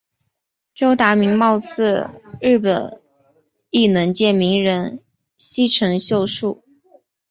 周达明貌似日本艺能界名人西城秀树。